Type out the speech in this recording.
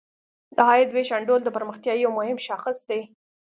د عاید ویش انډول د پرمختیا یو مهم شاخص دی.